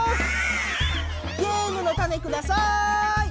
ゲームのタネください！